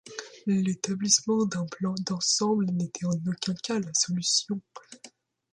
L’établissement d’un plan d’ensemble n’était en aucun cas la solution.